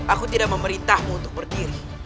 aku tidak memerintahmu untuk berdiri